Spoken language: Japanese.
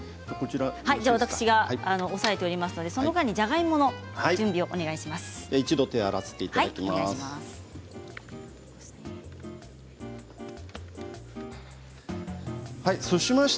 私が押さえておりますのでその間に、じゃがいもの準備をお願いします。